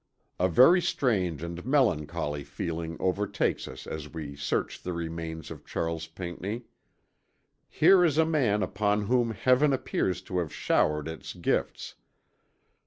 "A very strange and melancholy feeling overtakes us as we search the remains of Charles Pinckney. Here is a man upon whom Heaven appears to have showered its gifts.